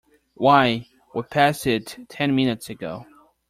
Why, we passed it ten minutes ago!